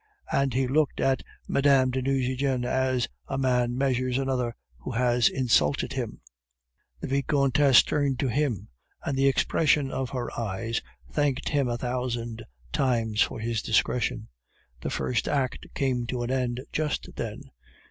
And he looked at Mme. de Nucingen as a man measures another who has insulted him. The Vicomtesse turned to him, and the expression of her eyes thanked him a thousand times for his discretion. The first act came to an end just then.